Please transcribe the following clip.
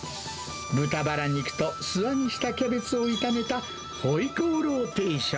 豚バラ肉と素揚げしたキャベツを炒めた、ホイコーロー定食。